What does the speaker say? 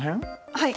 はい。